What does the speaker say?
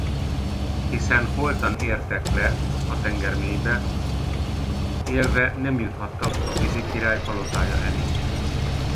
Hiszen holtan értek le a tengermélybe, élve nem juthattak a vízikirály palotája elé.